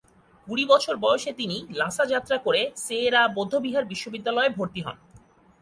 কুড়ি বছর বয়সে তিনি লাসা যাত্রা করে সে-রা বৌদ্ধবিহার বিশ্ববিদ্যালয়ে ভর্তি হন।